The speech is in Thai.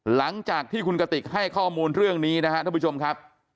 หลังจากที่คุณกติกให้ข้อมูลเรื่องนี้นะครับท่านผู้ชมครับ